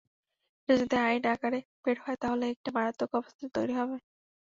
এটা যদি আইন আকারে বের হয়, তাহলে একটা মারাত্মক অবস্থা তৈরি হবে।